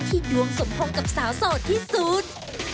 ดวงสมพงษ์กับสาวโสดที่สุด